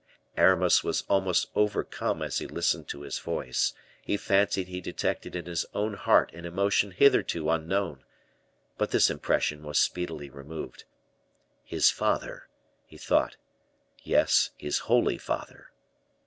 Aramis was almost overcome as he listened to his voice; he fancied he detected in his own heart an emotion hitherto unknown; but this impression was speedily removed. "His father!" he thought; "yes, his Holy Father."